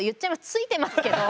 ついてますけど。